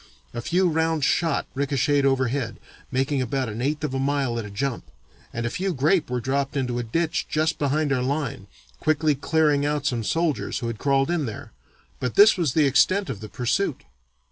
A few round shot ricochetted overhead, making about an eighth of a mile at a jump, and a few grape were dropped into a ditch just behind our line, quickly clearing out some soldiers who had crawled in there, but this was the extent of the pursuit.